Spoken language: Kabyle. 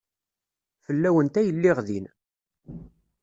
Fell-awent ay lliɣ din.